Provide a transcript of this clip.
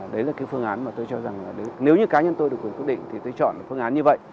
đấy là cái phương án mà tôi cho rằng là nếu như cá nhân tôi được quyền quyết định thì tôi chọn phương án như vậy